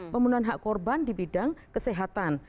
pemenuhan hak korban di bidang kesehatan